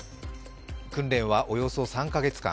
訓練はおよそ３か月間。